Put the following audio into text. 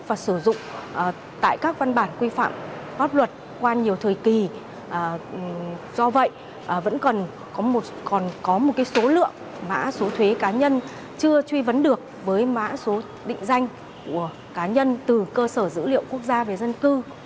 và sử dụng tại các văn bản quy phạm pháp luật qua nhiều thời kỳ do vậy vẫn còn có một số lượng mã số thuế cá nhân chưa truy vấn được với mã số định danh của cá nhân từ cơ sở dữ liệu quốc gia về dân cư